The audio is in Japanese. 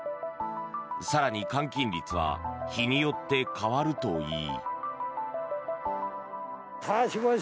更に、換金率は日によって変わるといい。